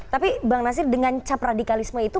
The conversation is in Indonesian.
tapi bang nasir dengan cap radikalisme itu